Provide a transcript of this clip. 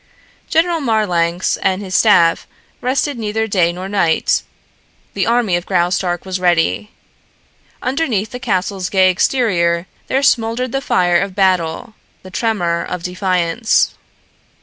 General Marlanx and his staff rested neither day nor night. The army of Graustark was ready. Underneath the castle's gay exterior there smouldered the fire of battle, the tremor of defiance.